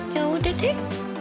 yah udah deh